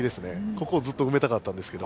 ここずっとうめたかったんですけど。